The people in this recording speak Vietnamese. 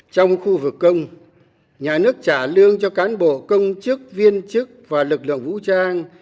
trong khu vực công nhà nước trả lương cho cán bộ công chức viên chức và lực lượng vũ trang